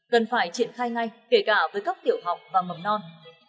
cần phải triển khai ngay kể cả với cấp tiểu học và mầm non